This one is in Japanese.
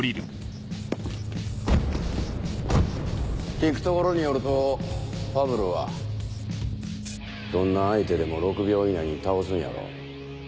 聞くところによるとファブルはどんな相手でも６秒以内に倒すんやろ？